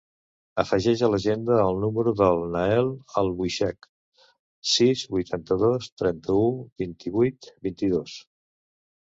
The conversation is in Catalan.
Afegeix a l'agenda el número del Nael Albuixech: sis, vuitanta-dos, trenta-u, vint-i-vuit, vint-i-dos.